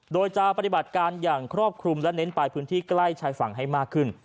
โดยจะปฏิบัติการอย่างครอบคลุมและเน้นไปพื้นที่ใกล้ชายฝั่งให้มากขึ้น